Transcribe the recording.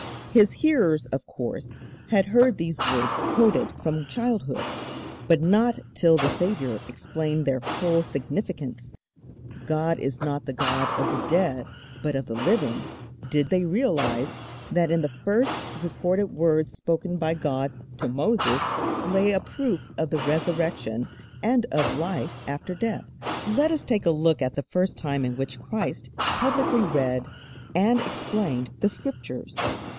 His hearers, of course, had heard these words quoted from childhood, but not till the Saviour explained their full significance 'God is not the God of the dead, but of the living' did they realize that in the first recorded words spoken by God to Moses lay a proof of the Resurrection and of life after death. Let us take a look at the first time in which Christ publicly read and explained the Scriptures.